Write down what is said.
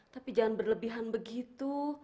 tapi jangan berlebihan begitu